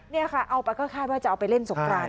นี่ค่ะเอาไปก็คาดว่าจะเอาไปเล่นสงกราน